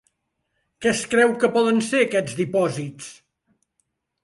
Què es creu que poden ser aquests dipòsits?